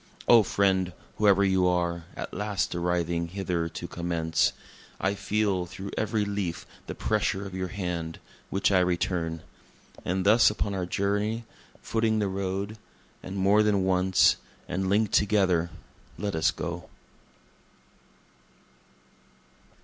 (O friend, whoe'er you are, at last arriving hither to commence, I feel through every leaf the pressure of your hand, which I return. And thus upon our journey, footing the road, and more than once, and link'd together let us go.)